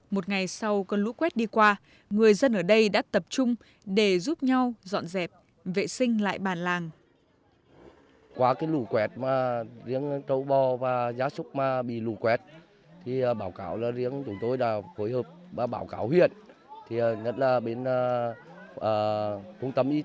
một ngày sau con lũ quét đi qua người dân ở đây đã tập trung để giúp nhau dọn dẹp vệ sinh lại bàn làng